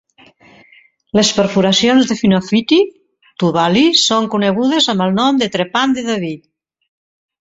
Les perforacions de Funafuti (Tuvalu) són conegudes amb el nom de "trepant de David".